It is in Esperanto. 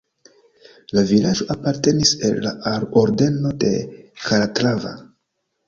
La vilaĝo apartenis al la Ordeno de Kalatrava.